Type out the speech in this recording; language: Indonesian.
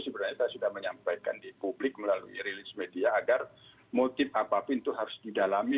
sebenarnya saya sudah menyampaikan di publik melalui rilis media agar motif apapun itu harus didalami